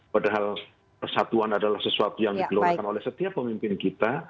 padahal persatuan adalah sesuatu yang dikelolakan oleh setiap pemimpin kita